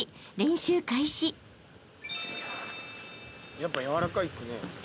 やっぱ柔らかいっすね。